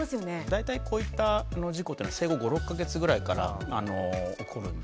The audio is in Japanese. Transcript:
大体こういった事故っていうのは生後５６か月ぐらいから起こるんですね。